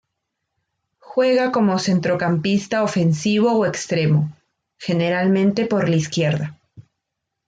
Juega como centrocampista ofensivo o extremo, generalmente por la izquierda.